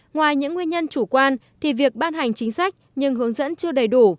ngoài những nguyên nhân chủ quan thì việc ban hành chính sách nhưng hướng dẫn chưa đầy đủ